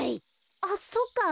あっそっか。